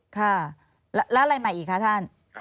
ค่ะแล้วอะไรใหม่อีกคะท่าน